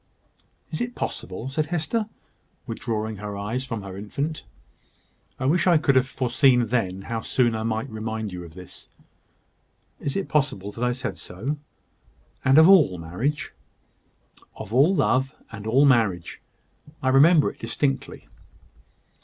"Is it possible?" said Hester, withdrawing her eyes from her infant. "I wish I could have foreseen then how soon I might remind you of this." "Is it possible that I said so? and of all marriage?" "Of all love, and all marriage. I remember it distinctly."